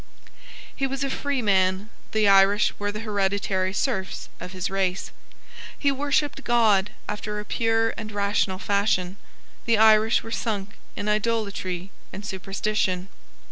He was a freeman: the Irish were the hereditary serfs of his race. He worshipped God after a pure and rational fashion: the Irish were sunk in idolatry and superstition.